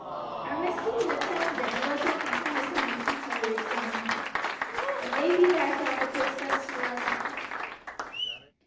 I must keep in the town today and look in from time to time and see how he is going on. It may be that I shall have to take steps to rouse him."